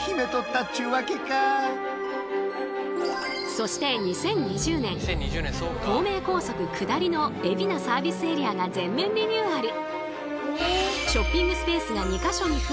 そして２０２０年東名高速下りの海老名サービスエリアが全面リニューアル。